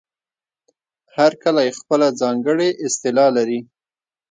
هر کلی خپله ځانګړې اصطلاح لري.